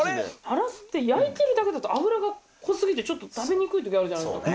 ハラスって焼いてるだけだと脂が濃過ぎて食べにくい時あるじゃないですか。